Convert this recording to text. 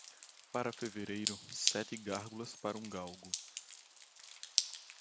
Para fevereiro, sete gárgulas para um galgo.